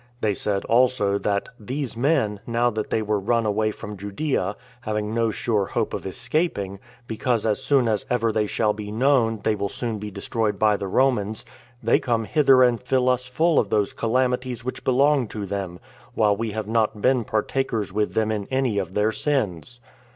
They said also that "these men, now they were run away from Judea, having no sure hope of escaping, because as soon as ever they shall be known, they will be soon destroyed by the Romans, they come hither and fill us full of those calamities which belong to them, while we have not been partakers with them in any of their sins."